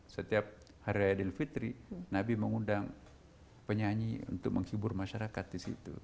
setiap hari adil fitri nabi mengundang penyanyi untuk menghibur masyarakat di situ